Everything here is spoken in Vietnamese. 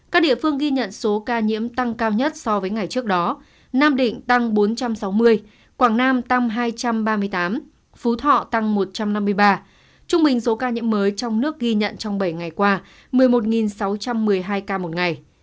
các địa phương ghi nhận số ca nhiễm tăng cao nhất so với ngày trước đó nam định tăng bốn trăm sáu mươi quảng nam tăng hai trăm ba mươi tám phú thọ tăng một trăm năm mươi ba trung bình số ca nhiễm mới trong nước ghi nhận trong bảy ngày qua một mươi một sáu trăm một mươi hai ca một ngày